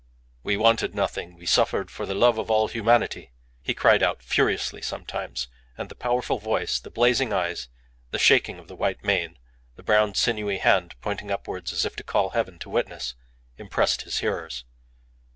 "We wanted nothing, we suffered for the love of all humanity!" he cried out furiously sometimes, and the powerful voice, the blazing eyes, the shaking of the white mane, the brown, sinewy hand pointing upwards as if to call heaven to witness, impressed his hearers.